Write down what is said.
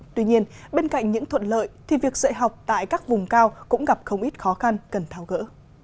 tuy nhiên bên cạnh những thuận lợi thì việc dạy học tại các vùng cao cũng gặp không ít khó khăn cần thao gỡ